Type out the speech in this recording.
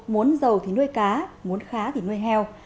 muốn giàu thì nuôi cá muốn khá thì nuôi heo